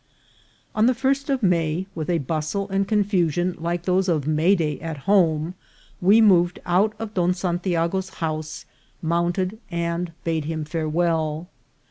ON the first of May, with a bustle and confusion like those of May day at home, we moved out of Don San tiago's house, mounted, and bade him farewell.